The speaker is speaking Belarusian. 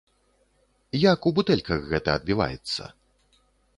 Як у бутэльках гэта адбіваецца?